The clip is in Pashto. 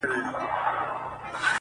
یو دنګ وردګ او په والیبال کي